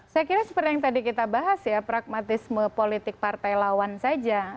saya kira seperti yang tadi kita bahas ya pragmatisme politik partai lawan saja